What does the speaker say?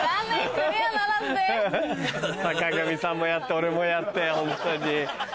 坂上さんもやって俺もやってホントに。